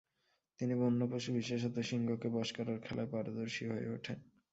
তিনি বন্য পশু বিশেষতঃ সিংহকে বশ করার খেলায় পারদর্শী হয়ে ওঠেন।